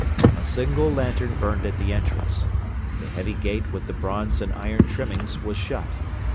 A single lantern burned at the entrance. The heavy gate with the bronze and iron trimmings was shut.